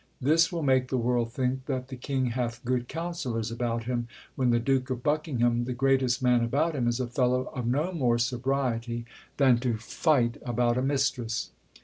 This will make the world think that the King hath good Councillors about him, when the Duke of Buckingham, the greatest man about him, is a fellow of no more sobriety than to fight about a mistress."